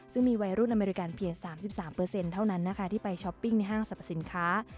ซึ่งมีวัยรุ่นอเมริกันเพียง๓๓เท่านั้นนะคะที่ไปช้อปปิ้งในห้างสรรพสินค้า